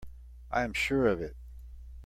I am sure of it.